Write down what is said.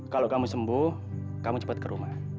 kalau kamu sembuh kamu cepat ke rumah